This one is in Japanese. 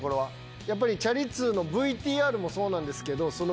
やっぱりチャリ通のＶＴＲもそうなんですけどその。